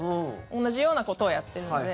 同じようなことをやってるので。